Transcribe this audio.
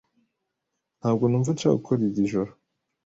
Ntabwo numva nshaka gukora iri joro.